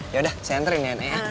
yaudah saya enterin ya nek